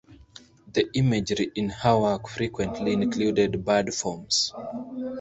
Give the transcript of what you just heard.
The imagery in her work frequently included bird forms.